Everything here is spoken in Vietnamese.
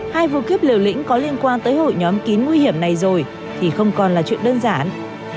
hai vụ cướp liều lĩnh có liên quan tới hội nhóm kín nguy hiểm này rồi thì không còn là chuyện đơn giản